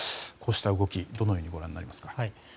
こうした動きどのようにご覧になりますか？